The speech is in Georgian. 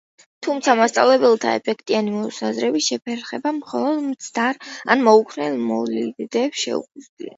თუმცა მასწავლებელთა ეფექტიანი მოღვაწეობის შეფერხება მხოლოდ მცდარ ან მოუქნელ მოლოდინებს შეუძლია.